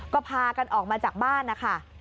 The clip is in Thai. ก็พากันออกมาจากบ้านนะคะ